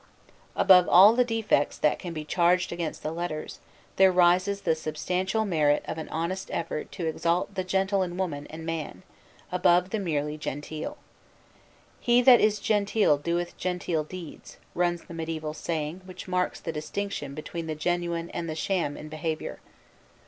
Above all the defects that can be charged against the Letters, there rises the substantial merit of an honest effort to exalt the gentle in woman and man above the merely genteel. "He that is gentil doeth gentil deeds," runs the mediaeval saying which marks the distinction between the genuine and the sham in behavior.